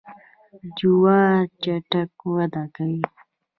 جوار چټک وده کوي.